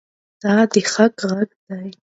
دی د حق غږ دی.